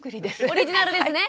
オリジナルですね。